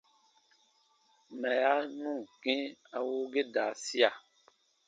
Mɛya nu ǹ kĩ a wuu ge da sia.